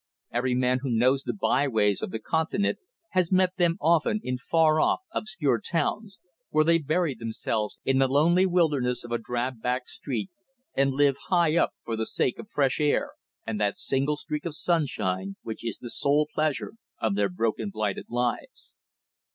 Every man who knows the by ways of the Continent has met them often in far off, obscure towns, where they bury themselves in the lonely wilderness of a drab back street and live high up for the sake of fresh air and that single streak of sunshine which is the sole pleasure of their broken, blighted lives.